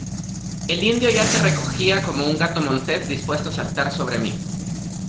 el indio ya se recogía, como un gato montés , dispuesto a saltar sobre mí.